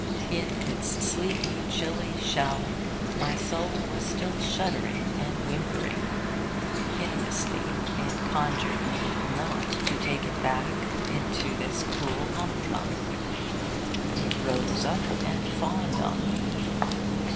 In its sleepy, chilly shell my soul was still shuddering and whimpering. Piteously it conjured me not to take it back into this cruel hum drum. It rose up and fawned on me.